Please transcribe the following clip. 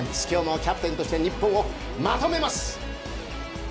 今日もキャプテンとして日本をまとめます！